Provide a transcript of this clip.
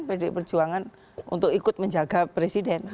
pdi perjuangan untuk ikut menjaga presiden